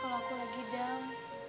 kalo aku lagi dam